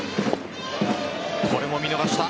これも見逃した。